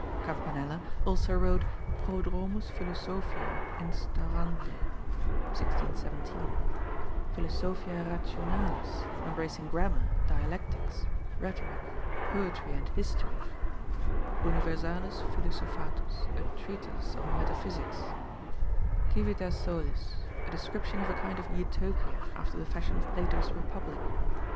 Campanella also wrote Prodromus philosophiae instaurandae (1617); Philosophia rationalis, embracing grammar, dialectics, rhetoric, poetry, and history; Universalis Philosophatus, a treatise on metaphysics; Civitas solis, a description of a kind of Utopia, after the fashion of Plato's Republic.